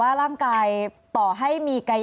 อันดับที่สุดท้าย